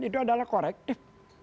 itu adalah korektif